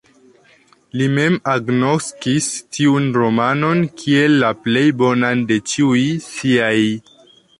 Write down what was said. Li mem agnoskis tiun romanon kiel la plej bonan de ĉiuj siaj.